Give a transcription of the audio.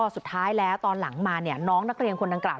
สุดท้ายแล้วตอนหลังมาน้องนักเรียนคนดังกล่า